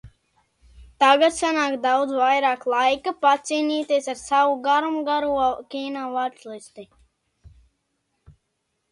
Tagad sanāk daudz vairāk laika pacīnīties ar savu garumgaro kino vačlisti.